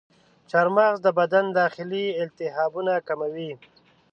چارمغز د بدن داخلي التهابونه کموي.